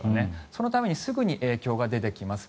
そのためにすぐに影響が出てきます。